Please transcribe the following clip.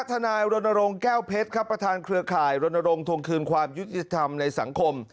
ทนายรณรงค์แก้วเพชรครับประธานเครือข่ายรณรงควงคืนความยุติธรรมในสังคม